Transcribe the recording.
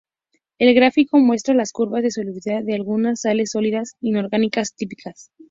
El gráfico muestra las curvas de solubilidad de algunas sales sólidas inorgánicas típicas.